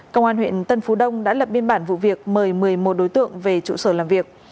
công an huyện tân phú đông đã lập biên bản vụ việc mời một mươi một đối tượng về trụ sở làm việc